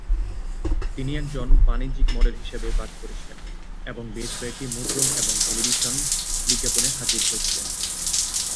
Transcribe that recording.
তিনি একজন বাণিজ্যিক মডেল হিসাবেও কাজ করেছিলেন এবং বেশ কয়েকটি মুদ্রণ এবং টেলিভিশন বিজ্ঞাপনে হাজির হয়েছিলেন।